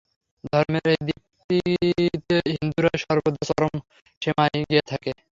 ধর্মের এই দিকটিতে হিন্দুরাই সর্বদা চরম সীমায় গিয়া থাকেন।